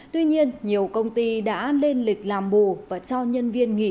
tuy nhiên nhiều công ty đã lên lịch làm bù và cho nhân viên nghỉ